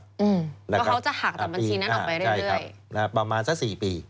เพราะเขาจะหักจากบัญชีนั้นออกไปเรื่อยประมาณสัก๔ปี